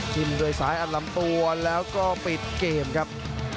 ด้วยซ้ายอัดลำตัวแล้วก็ปิดเกมครับ